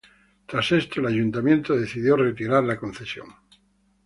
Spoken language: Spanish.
Tras esto, el Ayuntamiento decidió retirar la concesión.